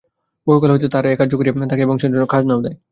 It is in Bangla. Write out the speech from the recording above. বহুকাল হইতে তাহারা এ কার্য করিয়া থাকে এবং সেজন্য খাজনাও দেয়।